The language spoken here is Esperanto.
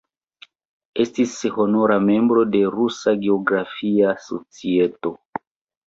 Estis honora membro de Rusa Geografia Societo.